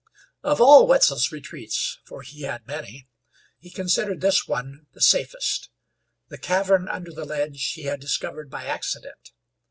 Of all Wetzel's retreats for he had many he considered this one the safest. The cavern under the ledge he had discovered by accident.